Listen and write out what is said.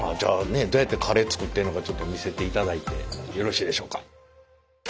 どうやってカレー作ってんのかちょっと見せていただいてよろしいでしょうか？